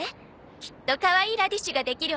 きっとかわいいラディッシュができるわよ。